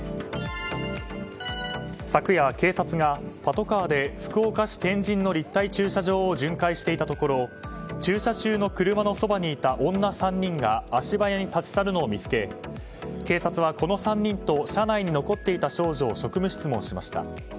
昨夜、警察がパトカーで福岡市天神の立体駐車場を巡回していたところ駐車中の車のそばにいた女３人が足早に立ち去るのを見つけ警察はこの３人と車内に残っていた少女を職務質問しました。